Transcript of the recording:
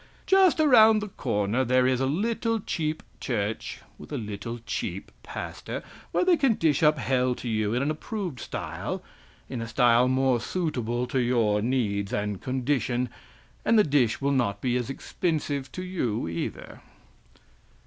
Just around the corner there is a little cheap church with a little cheap pastor, where they can dish up hell to you in an approved style in a style more suitable to your needs and condition; and the dish will not be as expensive to you, either!"